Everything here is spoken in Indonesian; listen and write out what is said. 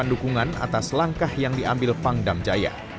dan berdukungan atas langkah yang diambil pangdam jaya